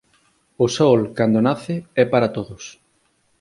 O Sol cando nace é para todos.